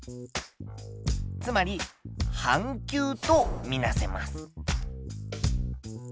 つまり半球とみなせます。